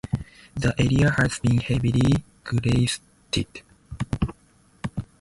The area has been heavily glaciated.